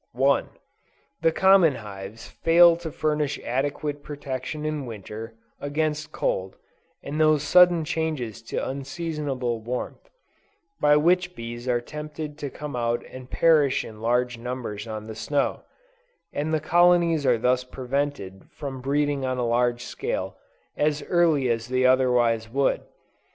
1. The common hives fail to furnish adequate protection in Winter, against cold, and those sudden changes to unseasonable warmth, by which bees are tempted to come out and perish in large numbers on the snow; and the colonies are thus prevented from breeding on a large scale, as early as they otherwise would.